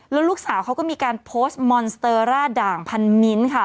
แล้วลูกสาวเขาก็มีการโพสต์มอนสเตอร่าด่างพันมิ้นค่ะ